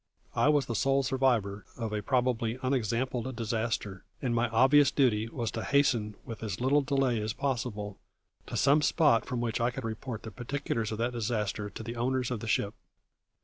I was the sole survivor of a probably unexampled disaster, and my obvious duty was to hasten, with as little delay as possible, to some spot from which I could report the particulars of that disaster to the owners of the ship.